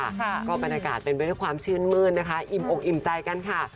ค่ะก็บรรยากาศเป็นไปด้วยความชื่นมืดนะคะอิ่มอกอิ่มใจกันค่ะ